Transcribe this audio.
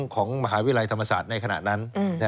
ของมหาวิทยาลัยธรรมศาสตร์ในขณะนั้น